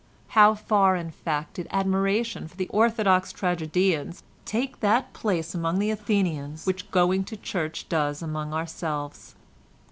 How far, in fact, did admiration for the orthodox tragedians take that place among the Athenians which going to church does among ourselves?